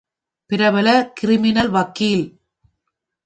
பிரபல கிரிமினல் வக்கீல்.